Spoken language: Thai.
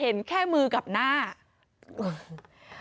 เห็นแค่มือกับหน้า